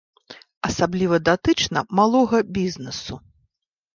Асабліва датычна малога бізнесу.